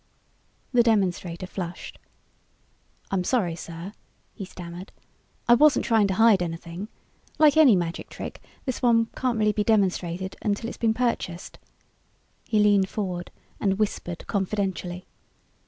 The demonstrator flushed. "I'm sorry, sir," he stammered. "I wasn't trying to hide anything. Like any magic trick this one can't be really demonstrated until it has been purchased." He leaned forward and whispered confidentially.